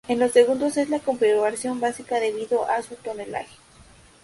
En los segundos es la configuración básica debido a su tonelaje.